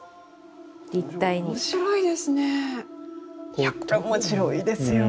いや面白いですよね。